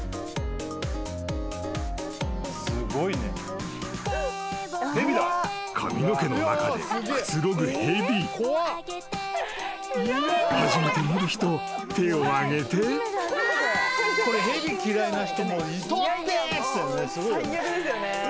すごいよね。